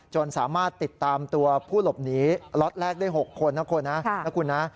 สามารถติดตามตัวผู้หลบหนีล็อตแรกได้๖คนนะคุณนะคุณนะ